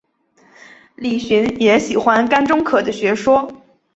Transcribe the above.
李寻也喜欢甘忠可的学说。